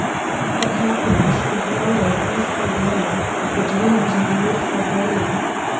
but happiness, the glow of youthful blood, the dreams of a youthful brain.